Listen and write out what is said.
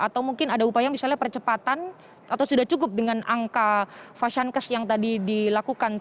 atau mungkin ada upaya misalnya percepatan atau sudah cukup dengan angka fashion case yang tadi dilakukan